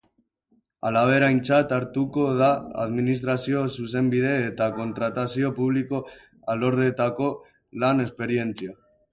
Halaber, aintzat hartuko da administrazio zuzenbide eta kontratazio publiko alorretako lan esperientzia.